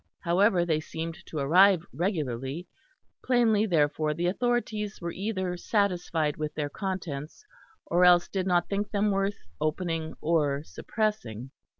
However they seemed to arrive regularly; plainly therefore the authorities were either satisfied with their contents or else did not think them worth opening or suppressing.